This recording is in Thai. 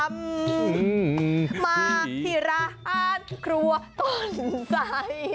มาที่ร้านครัวต้นใส